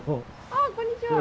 ああこんにちは！